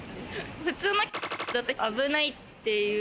普通のだと危ないっていう。